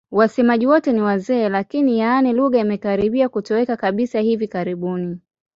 Wasemaji wote ni wazee lakini, yaani lugha imekaribia kutoweka kabisa hivi karibuni.